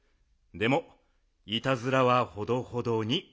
でもいたずらはほどほどに。